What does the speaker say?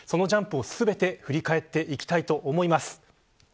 そのジャンプを全て振り返っていきたいと思います。